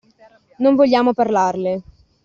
Non vogliamo parlarle.